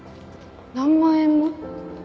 何万円も？